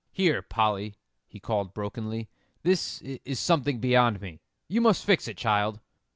"Here, Polly," he called brokenly, "this is something beyond me. You must fix it, child."